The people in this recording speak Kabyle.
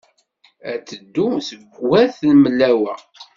Ad d-teddu seg wat Mlawa.